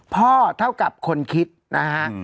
เท่ากับคนคิดนะฮะ